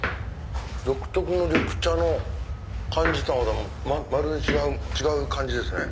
独特の緑茶の感じとはまるで違う感じですね。